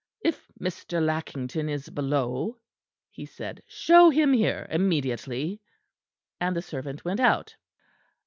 "If Mr. Lackington is below," he said, "show him here immediately," and the servant went out.